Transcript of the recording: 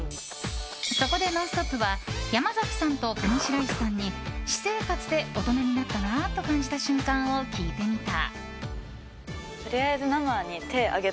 そこで「ノンストップ！」は山崎さんと上白石さんに私生活で大人になったなと感じた瞬間を聞いてみた。